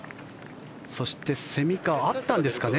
そして蝉川、あったんですかね